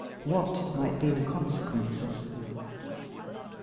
What might be the consequences?